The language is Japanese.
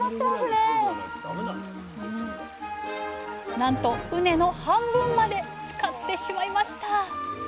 なんと畝の半分までつかってしまいました。